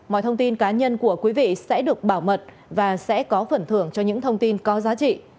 mọi thông tin cá nhân của quý vị sẽ được bảo mật và sẽ có phần thưởng cho những thông tin có giá trị